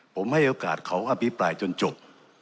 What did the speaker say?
ผมให้โอกาสเขาอภิปรายจนจบ